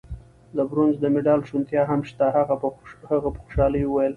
د برونزو د مډال شونتیا هم شته. هغه په خوشحالۍ وویل.